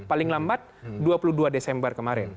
paling lambat dua puluh dua desember kemarin